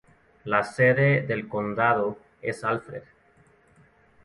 La sede del condado es Alfred.